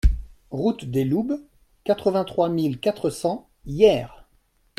Route des Loubes, quatre-vingt-trois mille quatre cents Hyères